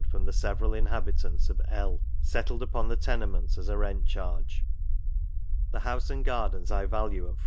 from the several inhabitants of L —, settled upon the tenements as a rent charge ; the house and gardens I value at 4